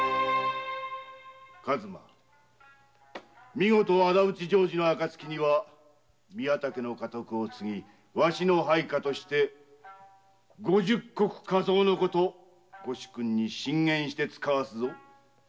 見事仇討ち成就の暁には宮田家の家督を継ぎわしの配下として五十石加増のこと御主君に進言して遣わす。